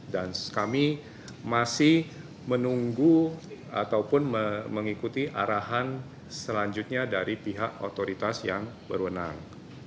dan kami masih menunggu ataupun mengikuti arahan selanjutnya dari pihak otoritas yang berwenang